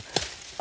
あ！